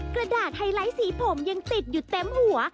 กระดาษไฮไลท์สีผมยังติดอยู่เต็มหัว